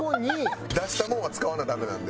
出したもんは使わなダメなんで。